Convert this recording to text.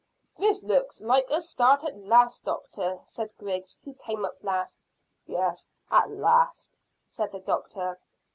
"This looks like a start at last, doctor," said Griggs, who came up last. "Yes, at last," said the doctor.